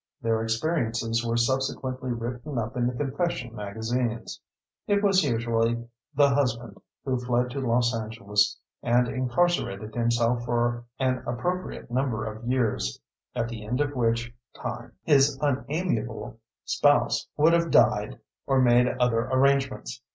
Their experiences were subsequently written up in the confession magazines. It was usually, the husband who fled to Los Angeles and incarcerated himself for an appropriate number of years, at the end of which time his unamiable spouse would have died or made other arrangements.